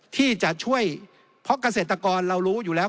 ที่จะช่วยเพราะเกษตรกรเรารู้อยู่แล้ว